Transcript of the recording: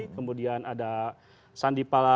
kemudian ada sandipala